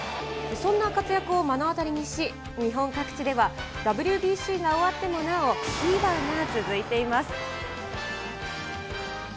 そんな活躍を目の当たりにし、日本各地では、ＷＢＣが終わってもなお、フィーバーが続いています。